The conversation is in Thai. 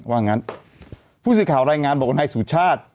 ว่างั้นผู้สิทธิ์ข่าวรายงานบอกกันให้สุชาติ